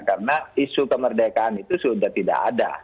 karena isu kemerdekaan itu sudah tidak ada